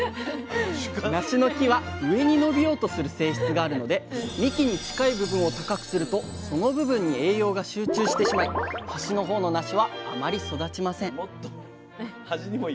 なしの木は上に伸びようとする性質があるので幹に近い部分を高くするとその部分に栄養が集中してしまい端の方のなしはあまり育ちません。